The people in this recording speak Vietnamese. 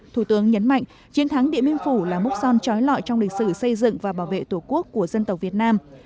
thủ tướng nhấn mạnh chiến thắng điện biên phủ là múc son trói lọi trong lịch sử xây dựng và bảo vệ tổ quốc của dân tộc việt nam